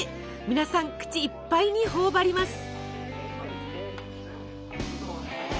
皆さん口いっぱいに頬張ります。